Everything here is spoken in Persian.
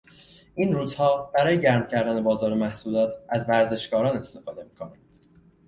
این روزها برای گرم کردن بازار محصولات از ورزشکاران استفاده میکنند.